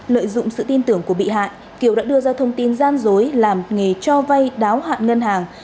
lợi dụng sự tin tưởng của bị hại kiều đã đưa ra thông tin gian dối làm nghề cho vay đáo hạn ngân hàng